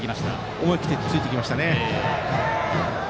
思い切って突いてきました。